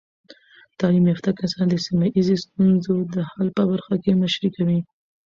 تعلیم یافته کسان د سیمه ایزې ستونزو د حل په برخه کې مشري کوي.